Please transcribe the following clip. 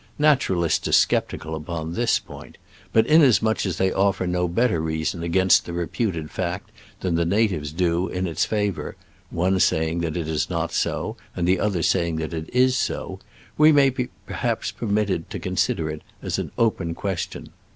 Naturalists are skep tical upon this point, but inasmuch as they offer no better reason against the reputed fact than the natives do in its favor (one saying that it is not so, and the other saying that it is so), we may perhaps be permitted to consider it an open question.